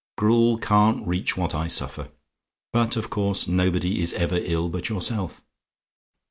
Gruel can't reach what I suffer; but, of course, nobody is ever ill but yourself.